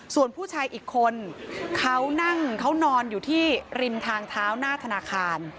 ส่วนผู้ชายอีกคนเขานั่งเขานอนอยู่ที่ริมทางเท้าหน้าธนาคาร